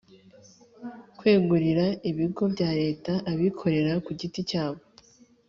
kwegurira ibigo bya leta abikorera ku giti cyabo.